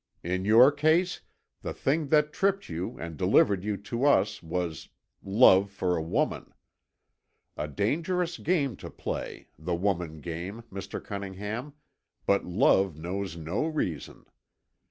In your case the thing that tripped you and delivered you to us was love for a woman. A dangerous game to play, the woman game, Mr. Cunningham, but love knows no reason.